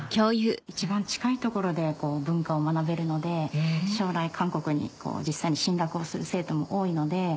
一番近い所で文化を学べるので将来韓国に実際に進学をする生徒も多いので。